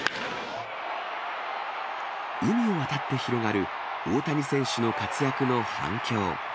海を渡って広がる、大谷選手の活躍の反響。